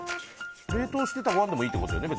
冷凍してたご飯でもいいってことだよね？